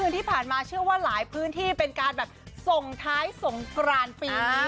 ที่ผ่านมาหลายพื้นที่เป็นการส่งท้ายส่งกรานปีนี้